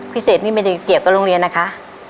พิเศษนี่ไม่ได้เกี่ยวกับโรงเรียนนะคะ